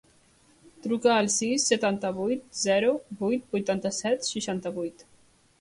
Truca al sis, setanta-vuit, zero, vuit, vuitanta-set, seixanta-vuit.